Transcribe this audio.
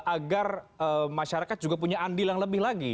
agar masyarakat juga punya andil yang lebih lagi